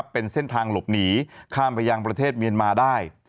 เป็นเส้นทางหลบหนีข้ามไปยังประเทศเมียนมาได้